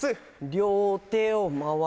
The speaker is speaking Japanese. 両手を回す。